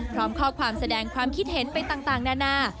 พร้อมข้อความแสดงความคิดเห็นไปต่างนานา